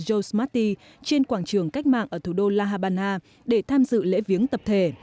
joe smarty trên quảng trường cách mạng ở thủ đô la habana để tham dự lễ viếng tập thể